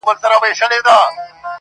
هغه ښه دي نه چي ستا پر عقل سم وي؛